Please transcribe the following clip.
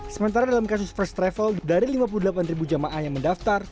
sementara dalam kasus first travel dari lima puluh delapan jamaah yang mendaftar